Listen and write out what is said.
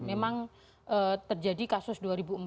memang terjadi kasus dua ribu empat